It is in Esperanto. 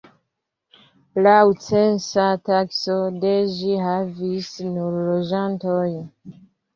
Laŭ censa takso de ĝi havis nur loĝantojn.